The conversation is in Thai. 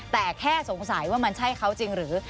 แต่แค่สงสัยว่ามันใช่เขาจริงหรือ